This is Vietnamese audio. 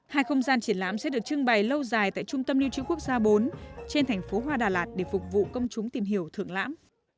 hai không gian triển lãm sẽ được trưng bày lâu dài tại trung tâm lưu trữ quốc gia bốn trên thành phố hoa đà lạt để phục vụ công chúng tìm hiểu thượng lãm